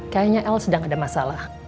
kayaknya el sedang ada masalah